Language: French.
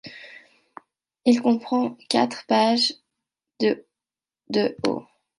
Il comprend quatre pages de de haut.